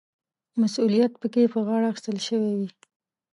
مسوولیت پکې په غاړه اخیستل شوی وي.